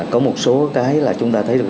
có một số cái là chúng ta thấy được